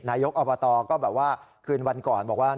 นายกอบตก็แบบว่าคืนวันก่อนบอกว่า